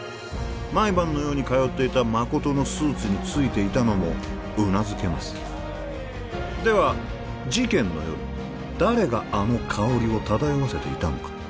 毎晩のように通っていた誠のスーツについていたのもうなずけますでは事件の夜誰があの香りを漂わせていたのか？